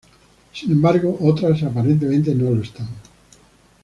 Sin embargo otras aparentemente no lo están.